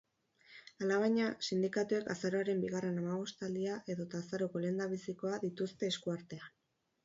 Alabaina, sindikatuek azaroaren bigarren hamabostaldia edota azaroko lehendabizikoa dituzte esku artean.